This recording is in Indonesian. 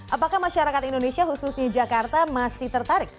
apakah masyarakat indonesia khususnya jakarta masih tertarik